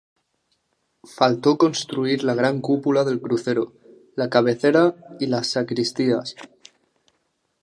Faltó construir la gran cúpula del crucero, la cabecera y las sacristías.